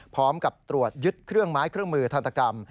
พร้อมกับตรวจยึดเครื่องไม้เครื่องมือทันตกรรม